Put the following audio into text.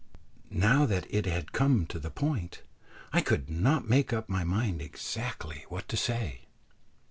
Now that it had come to the point, I could not make up my mind exactly what to say.